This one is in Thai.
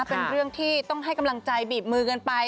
เป็นเรื่องที่ต้องให้กำลังใจบีบมือกันไป